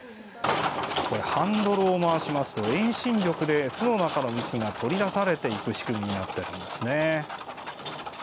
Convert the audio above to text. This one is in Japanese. ハンドルを回しますと遠心力で、巣の中の蜜が取り出されていく仕組みになってるんですね。